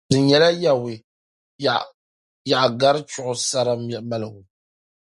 di nyɛla Yawɛ Yaɣigari chuɣu sara maligu.